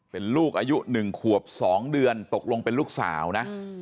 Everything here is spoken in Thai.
เป็นลูกอายุ๑ขวบ๒เดือนตกลงเป็นลูกสาวนะ